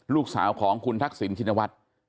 ลูกสาวของคุณทักษิณชินวัฒน์